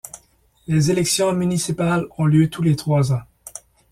Les élections municipales ont lieu tous les trois ans.